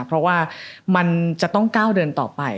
เพราะว่ามันจะต้องก้าวเดินต่อไป